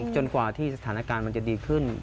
จนกว่าที่สถานการณ์มันจะดีขึ้น